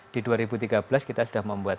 di dua ribu tiga belas kita sudah membuat